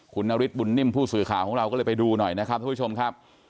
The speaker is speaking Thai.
คุณนฤทธบุญนิ่มผู้สื่อข่าวของเราก็เลยไปดูหน่อยนะครับทุกผู้ชมครับ